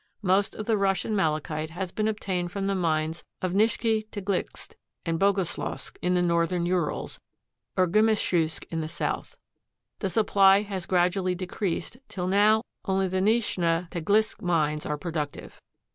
Most of the Russian malachite has been obtained from the mines of Nischne Tagilsk and Bogoslowsk in the northern Urals, or Gumeschewsk in the southern. The supply has gradually decreased till now only the Nischne Tagilsk mines are productive.